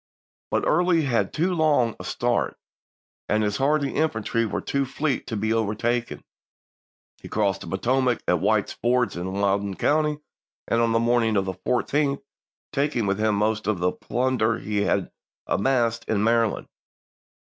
But Early had too long a start, and his hardy infantry were too fleet to be overtaken. He crossed the Potomac at White's Ford, in Loudon county, on the morning of the 14th, taking with him most of the plunder he had amassed in Maryland.